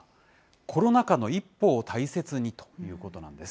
コロナ禍の一歩を大切にということなんです。